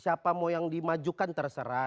siapa mau yang di maju kan terserah